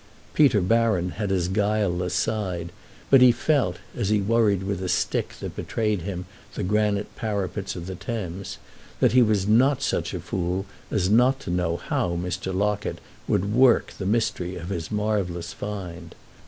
Peter Baron had his guileless side, but he felt, as he worried with a stick that betrayed him the granite parapets of the Thames, that he was not such a fool as not to know how Mr. Locket would "work" the mystery of his marvellous find.